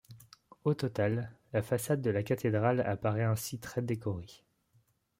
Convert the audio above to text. Au total, la façade de la cathédrale apparait ainsi très décorée.